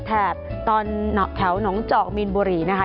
แถบตอนแถวหนองเจาะมีนบุรีนะคะ